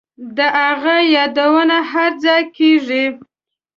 د هغه یادونه هرځای کیږي